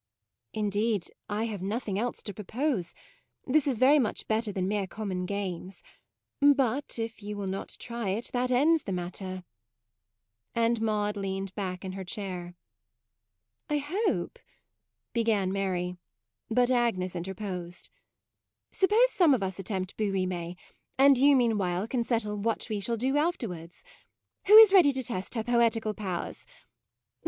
u Indeed I have nothing else to propose. This is very much better than mere common games ; but if you will not try it, that ends the 26 MAUDE matter": and Maude leaned back in her chair. " I hope " began Mary ; but Agnes interposed :" Suppose some of us attempt bouts rimes, and you meanwhile can settle what we shall do afterwards. Who is ready to test her poetical powers